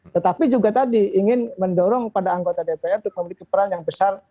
tetapi juga tadi ingin mendorong pada anggota dpr untuk memiliki peran yang besar